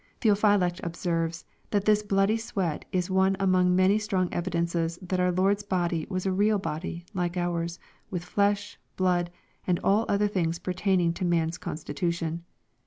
Theophylact observes, that this bloody sweat is one among many strong evidences that our Lord's body was a real body, like ours, with flesh, blood, and all other things pertaining to man's constitu tion.